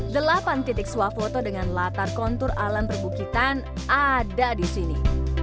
delapan titik swafoto dengan latar kontur alam perbukitan ada di sini